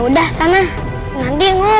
mu yang ini nyari